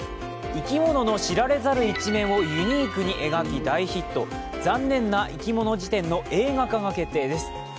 生き物の知られざる一面をユニークに描き大ヒット、「ざんねんないきもの事典」の映画化が決定です。